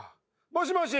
もしもし。